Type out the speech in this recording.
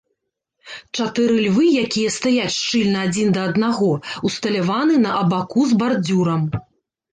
Чатыры львы, якія стаяць шчыльна адзін да аднаго, усталяваны на абаку з бардзюрам.